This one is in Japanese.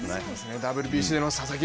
ＷＢＣでの佐々木朗